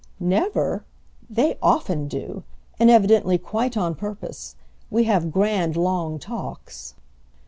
"Never? They often do—and evidently quite on purpose. We have grand long talks."